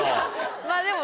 まぁでも。